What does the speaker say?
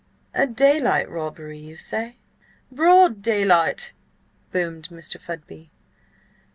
A daylight robbery, you say?" "Broad daylight!" boomed Mr. Fudby.